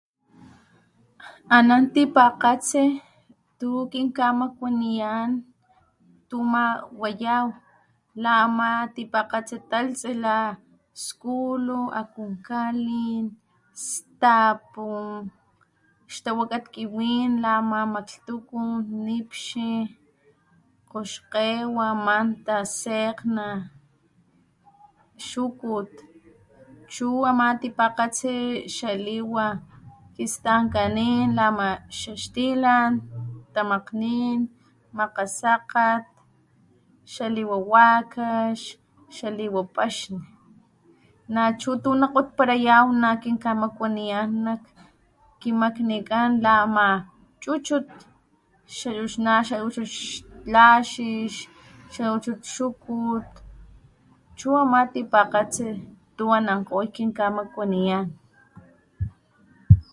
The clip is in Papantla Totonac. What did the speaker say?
Anan tipakgatsi tukinkamakuaniyan tu ama wayaw la ama tipakgatsi talhtsi la skulu, akunkalin, stapu, xtawakat kiwin la ama maklhtukun, nipxi, kgoxkgewa, manta, sekgna, xukut, chu ama tipakgatsi xaliwa kistankanin la ama xaxtilan, tamakgnin, makgasakgat, xaliwa wakax, xaliwa paxni, nachu tu nakgotparayaw nakinkamakuaniyan nakkikmaknikan la ama chuchut, xachuchut laxix, xachuchut xukut chu ama tipakgatsi tu anankgoy kinkamakuaniyan.